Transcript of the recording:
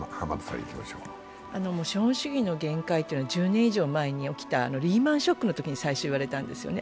資本主義の限界というのは１０年以上前に起きたリーマン・ショックのときに最初言われたんですよね。